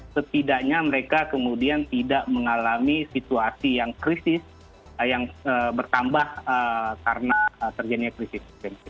setidaknya mereka kemudian tidak mengalami situasi yang krisis yang bertambah karena terjadinya krisis